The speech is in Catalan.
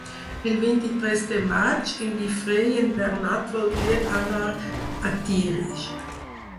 El vint-i-tres de maig en Guifré i en Bernat voldrien anar a Tírig.